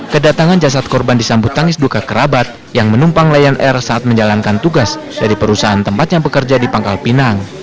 kedatangan jasad korban disambut tangis duka kerabat yang menumpang lion air saat menjalankan tugas dari perusahaan tempatnya bekerja di pangkal pinang